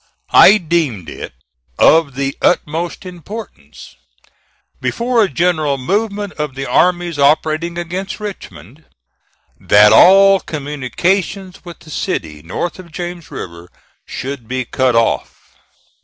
I deemed it of the utmost importance, before a general movement of the armies operating against Richmond, that all communications with the city, north of James River, should be cut off.